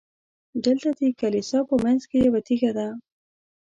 دلته د کلیسا په منځ کې یوه تیږه ده.